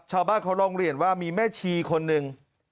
ชาวบ้านเขาร้องเรียนว่ามีแม่ชีคนหนึ่ง